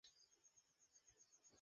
চলো, দানবদের মুখোমুখি হই।